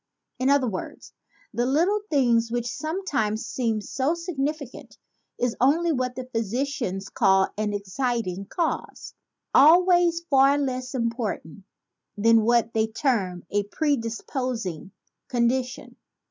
In other words, the little thing which sometimes seems so significant is only what the physicians call an exciting cause, always far less important than what they term a predisposing condition.